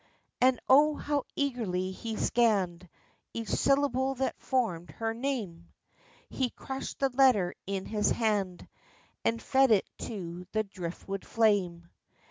And oh, how eagerly he scanned Each syllable that formed her name ! He crushed the letter in his hand And fed it to the driftwood flame.